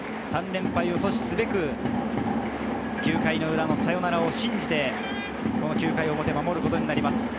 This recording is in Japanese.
３連敗を阻止すべく９回の裏のサヨナラを信じて９回表、守ることになります。